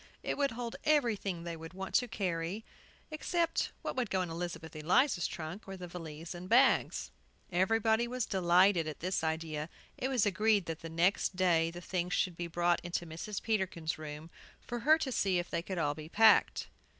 It would hold everything they would want to carry, except what would go in Elizabeth Eliza's trunk, or the valise and bags. Everybody was delighted at this idea. It was agreed that the next day the things should be brought into Mrs. Peterkin's room, for her to see if they could all be packed.